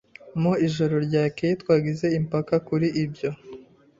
Mu ijoro ryakeye twagize impaka kuri byo.